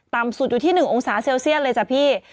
สุดอยู่ที่๑องศาเซลเซียสเลยจ้ะพี่